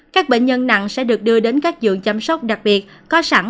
các bệnh nhân nặng sẽ được đưa đến các dưỡng chăm sóc đặc biệt có sẵn